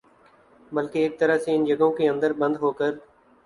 بلکہ ایک طرح سے ان جگہوں کے اندر بند ہوکر